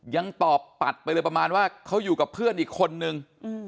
ยังตอบปัดไปเลยประมาณว่าเขาอยู่กับเพื่อนอีกคนนึง